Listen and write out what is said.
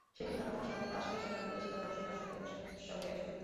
শেরপুর-ঢাকা মহাসড়কের পাশঘেঁষা গ্রামটির বেশির ভাগ মানুষই নার্সারি ব্যবসার সঙ্গে জড়িত।